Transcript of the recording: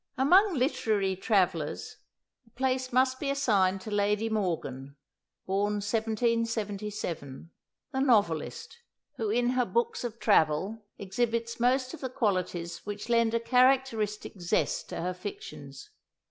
Among literary travellers a place must be assigned to Lady Morgan (born 1777), the novelist, who in her books of travel exhibits most of the qualities which lend a characteristic zest to her fictions.